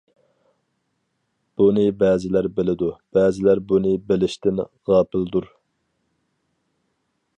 بۇنى بەزىلەر بىلىدۇ، بەزىلەر بۇنى بىلىشتىن غاپىلدۇر.